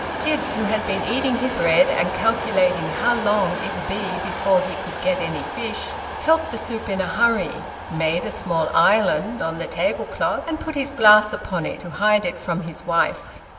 Tibbs, who had been eating his bread, and calculating how long it would be before ho should get any fish, helped the soup in a hurry, made a small island on the table cloth, and put his glass upon it, to hide it from his wife.